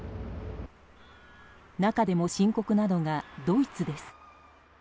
中でも深刻なのがドイツです。